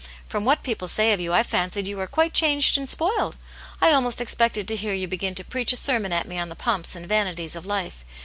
" From what people say of you I fancied you were quite changed and spoiled. I almost expected to hear you begin to preach a sermon at me on the pomps and vanities of life.